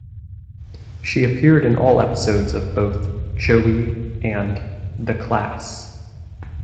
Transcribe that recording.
She appeared in all episodes of both "Joey" and "The Class".